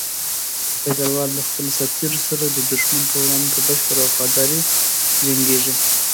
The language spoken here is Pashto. ډګروال د خپلو سرتېرو سره د دښمن په وړاندې په بشپړه وفاداري جنګيږي.